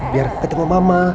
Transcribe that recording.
biar ketemu mama